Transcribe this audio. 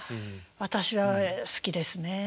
私は好きですね。